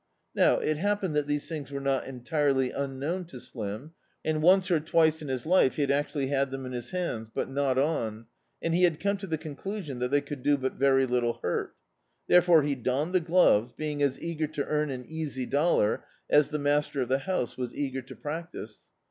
Now it happened that these things were not entirely unknown to Slim, and once or twice in his life he had actually had them in his hands — but not on — and he had come to the cMiclusion that they could do but very little hurt. Therefore he donned the gloves, being as eager to earn an easy dollar as the master of die house was eager to practise.